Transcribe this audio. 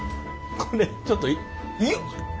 これちょっといい？